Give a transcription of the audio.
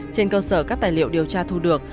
trên cơ sở các tài liệu điều tra thu được